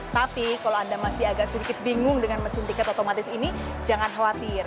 tapi kalau anda masih agak sedikit bingung dengan mesin tiket otomatis ini jangan khawatir